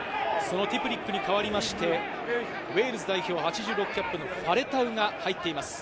そのティプリックに代わりまして、ウェールズ代表８６キャップのファレタウが入っています。